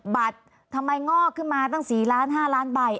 บัตรทำไมงอกขึ้นมาตั้ง๔ล้าน๕ล้านใบ